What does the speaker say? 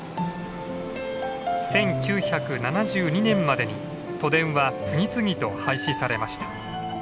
１９７２年までに都電は次々と廃止されました。